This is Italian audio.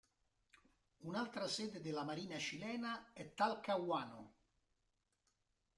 Un'altra sede della marina cilena è Talcahuano.